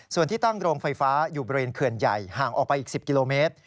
ส่วนที่ตั้งโรงไฟฟ้าอยู่บริเวณเขื่อนใหญ่ห่างออกไปอีก๑๐กิโลเมตร